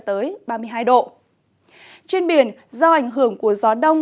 trên biển do ảnh hưởng của gió đông